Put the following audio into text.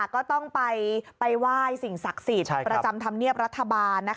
ก็ต้องไปไหว้สิ่งศักดิ์สิทธิ์ประจำธรรมเนียบรัฐบาล